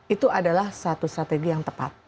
itu adalah satu strategi yang tepat